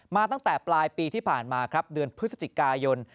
ตั้งแต่ปลายปีที่ผ่านมาครับเดือนพฤศจิกายน